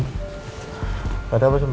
gak ada apa apa